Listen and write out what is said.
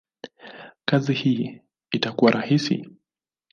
kazi hii itakuwa rahisi?